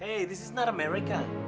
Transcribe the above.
hey ini bukan amerika